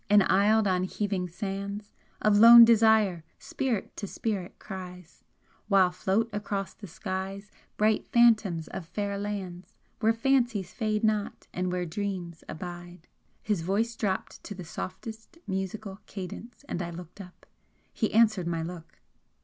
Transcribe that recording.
En isled on heaving sands Of lone desire, spirit to spirit cries, While float across the skies Bright phantoms of fair lands, Where fancies fade not and where dreams abide." His voice dropped to the softest musical cadence, and I looked up. He answered my look.